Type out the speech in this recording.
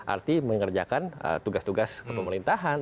arti mengerjakan tugas tugas kepemerintahan